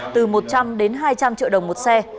từ một trăm linh đến hai trăm linh triệu đồng một xe